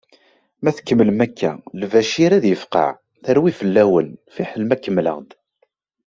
Ma tkemmlem akka Lbacir ad yefqeɛ, terwi fell-awen, fiḥel ma kemmleɣ-d.